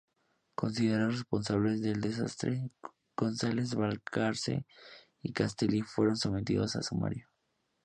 Considerados responsables del desastre, González Balcarce y Castelli fueron sometidos a sumario.